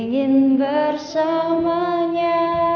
makin besar ya